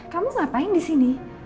kamu ngapain disini